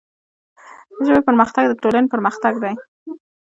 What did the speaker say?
د ژبې پرمختګ د ټولنې پرمختګ دی.